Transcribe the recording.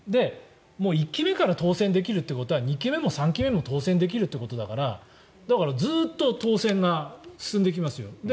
１期目から当選できるということは２期目も３期目も当選できいるということだからだから、ずっと当選が進んでいきますよ。